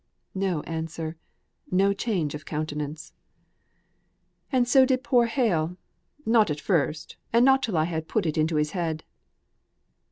No answer. No change of countenance. "And so did poor Hale. Not at first, and not till I had put it into his head."